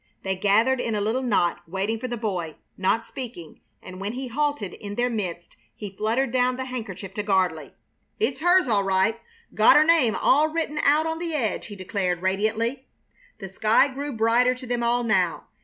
They gathered in a little knot, waiting for the boy, not speaking; and when he halted in their midst he fluttered down the handkerchief to Gardley. "It's hers, all right. Gotter name all written out on the edge!" he declared, radiantly. The sky grew brighter to them all now.